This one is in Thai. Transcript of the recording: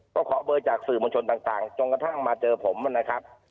ก็ขอเบอร์จากสื่อมวลชนต่างจนกระทั่งมาเจอผมนะครับ